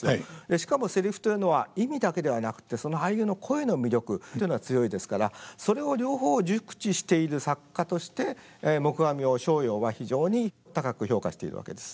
しかもセリフというのは意味だけではなくってその俳優の声の魅力っていうのが強いですからそれを両方熟知している作家として黙阿弥を逍遙は非常に高く評価しているわけです。